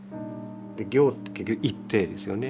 「行」って結局「行ッテ」ですよね。